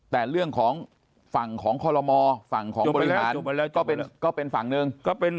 แต่เรื่องของฝั่งของคอลโลมอฝั่งของบริหารก็เป็นฝั่งหนึ่งก็เป็น